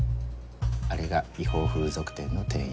あれが違法風俗店の店員